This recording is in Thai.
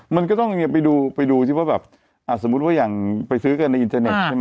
มันก็ต้องไปดูไปดูซิว่าแบบสมมุติว่าอย่างไปซื้อกันในอินเทอร์เน็ตใช่ไหม